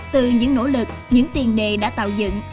từ những nỗ lực những tiền đề đã tạo dựng